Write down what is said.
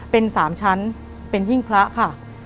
เป็น๓ชั้นเป็นหิ้งพระค่ะ